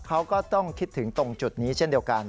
เขาก็ต้องคิดถึงตรงจุดนี้เช่นเดียวกัน